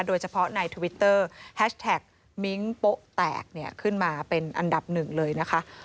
โดยเฉพาะในทวิตเตอร์แฮชแท็กมิ้งโป๊ะแตกเนี่ยขึ้นมาเป็นอันดับหนึ่งเลยนะคะ